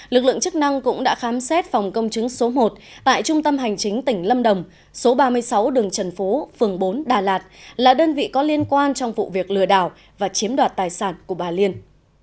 lực lượng chức năng cũng đã khám xét phòng công chứng số một tại trung tâm hành chính tỉnh lâm đồng số ba mươi sáu đường trần phú phường bốn đà lạt là đơn vị có liên quan trong vụ việc lừa đảo và chiếm đoạt tài sản của bà liên